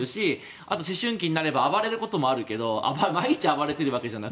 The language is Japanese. あと、思春期になって暴れることがあっても毎日暴れるわけじゃない。